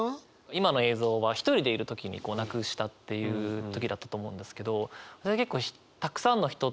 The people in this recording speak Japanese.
今の映像は１人でいる時になくしたっていう時だったと思うんですけど私は結構たくさんの人といる時に。